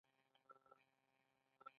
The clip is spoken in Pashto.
بشري منابع او غیر محسوس منابع پکې دي.